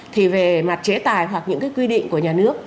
thì về mặt chế tài hoặc những cái quy định của nhà nước